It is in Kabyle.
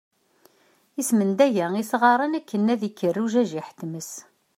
Ismendaga isɣaren akken ad ikker ujajiḥ n tmes.